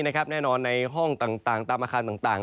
แน่นอนในห้องต่างตามอาคารต่าง